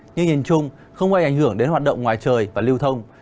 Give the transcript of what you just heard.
nhưng nhìn chung không ảnh hưởng đến hoạt động ngoài trời và lưu thông